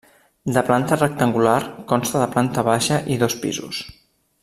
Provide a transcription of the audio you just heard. De planta rectangular, consta de planta baixa i dos pisos.